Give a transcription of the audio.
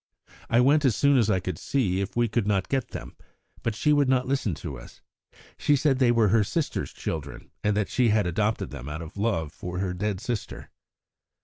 I went as soon as I could to see if we could not get them, but she would not listen to us. She said they were her sister's children, and that she had adopted them out of love for her dead sister."